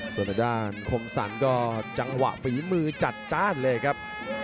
ส่วนทางด้านคมสรรก็จังหวะฝีมือจัดจ้านเลยครับ